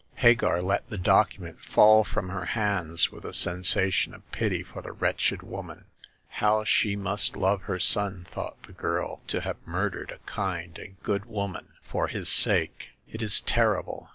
Hagar let the document fall from her hands with a sensation of pity for the wretched woman. " How she must love her son," thought the girl —" to have murdered a kind and good woman for 86 Hagar of the Pawn Shop. his sake ! It is terrible